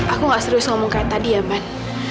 aku gak serius ngomong kayak tadi ya man